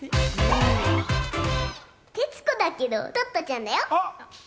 徹子だけど、トットちゃんだよ。